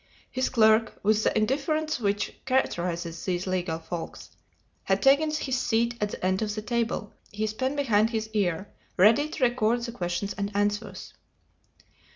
His clerk, with the indifference which characterizes these legal folks, had taken his seat at the end of the table, his pen behind his ear, ready to record the questions and answers.